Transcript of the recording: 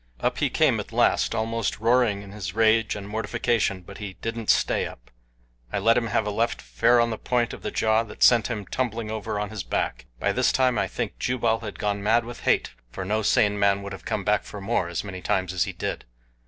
Up he came at last, almost roaring in his rage and mortification; but he didn't stay up I let him have a left fair on the point of the jaw that sent him tumbling over on his back. By this time I think Jubal had gone mad with hate, for no sane man would have come back for more as many times as he did.